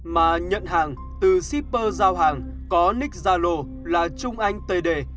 mà nhận hàng từ shipper giao hàng có nick zalo là trung anh td